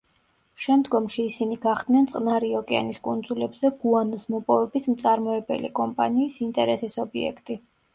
შემდგომში ისინი გახდნენ წყნარი ოკეანის კუნძულებზე გუანოს მოპოვების მწარმოებელი კომპანიის ინტერესის ობიექტი.